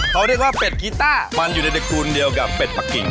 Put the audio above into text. เขาเรียกว่าเป็ดกีต้ามันอยู่ในคูณเดียวกับเป็ดปะกิ่ง